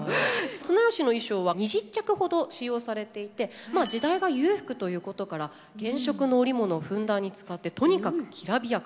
綱吉の衣装は２０着ほど使用されていてまあ時代が裕福ということから原色の織物をふんだんに使ってとにかくきらびやかに。